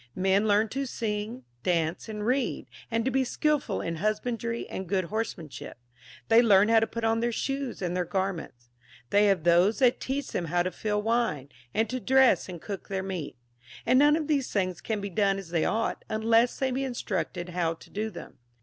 Men learn to sing, dance, and read, and to be skilful in husbandry and good horsemanship ; they learn how to put on their shoes and tlieir garments ; they have those that teach them how to fill wine, and to dress and cook their meat ; and none of these things can be done as they ought, unless they be instructed how to do them.